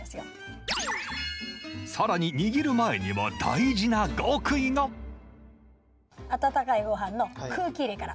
更に握る前にも大事な極意が温かいごはんの空気入れから。